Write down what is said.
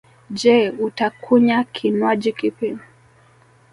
Je, utakunya kinwaji kipi?